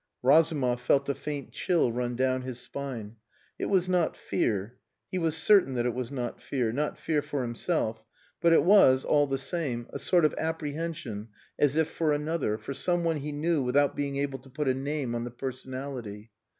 Razumov felt a faint chill run down his spine. It was not fear. He was certain that it was not fear not fear for himself but it was, all the same, a sort of apprehension as if for another, for some one he knew without being able to put a name on the personality.